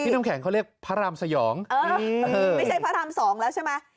น้ำแข็งเขาเรียกพระรามสยองไม่ใช่พระราม๒แล้วใช่ไหม